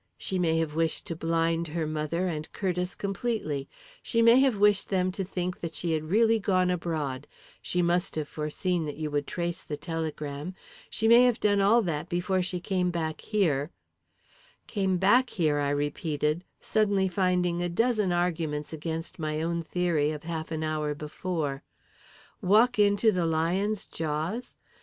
She may have wished to blind her mother and Curtiss completely she may have wished them to think that she had really gone abroad she must have foreseen that you would trace the telegram. She may have done all that before she came back here " "Came back here?" I repeated, suddenly finding a dozen arguments against my own theory of half an hour before. "Walk into the lion's jaws?